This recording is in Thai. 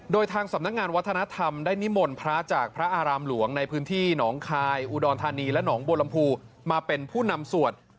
โดยทางสำนักงานวัฒนธรรมได้นิมนต์พระจากพระอารามหลวงในพื้นที่หนองคายอุดรธานีและหนองบัวลำพูมาเป็นผู้นำสวด